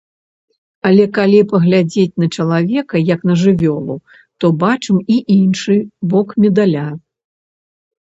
Але калі паглядзець на чалавека як на жывёлу, то бачым і іншы бок медаля.